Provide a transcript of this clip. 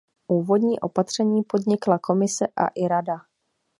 Úvodní opatření podnikla Komise a i Rada.